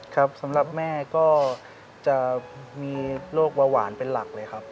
ครับสำหรับแม่ก็จะมีโรคเบาหวานเป็นหลักเลยครับ